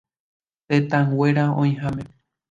Tendakuéra oĩháme.